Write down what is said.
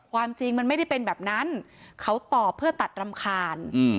ความจริงมันไม่ได้เป็นแบบนั้นเขาตอบเพื่อตัดรำคาญ